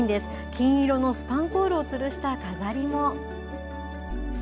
金色のスパンコールをつるした飾りも。